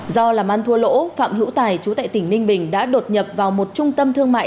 do làm ăn thua lỗ phạm hữu tài chú tại tỉnh ninh bình đã đột nhập vào một trung tâm thương mại